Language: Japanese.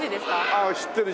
ああ知ってる。